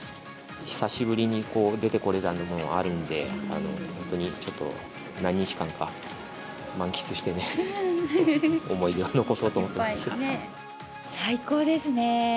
久しぶりに出てこれたのもあるんで、本当にちょっと何日間か、満喫してね、最高ですね。